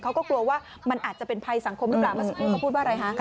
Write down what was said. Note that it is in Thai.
เขาก็กลัวว่ามันอาจจะเป็นภัยสังคมหรือเปล่า